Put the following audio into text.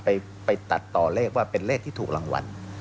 ไปตัดต่อเลขว่าเป็นเลขที่ถูกรางวัล